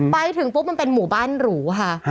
ไปถึงปุ๊บมันเป็นหมู่บ้านหรูค่ะ